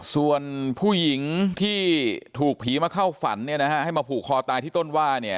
ส่วนผู้หญิงที่ถูกผีมาเข้าฝันให้มาผูกคอตายที่ต้นว่าเนี่ย